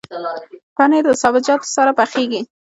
پنېر د سابهجاتو سره پخېږي.